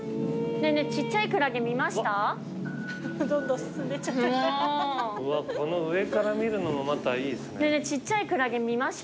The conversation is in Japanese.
ねぇねぇちっちゃいクラゲ見ました？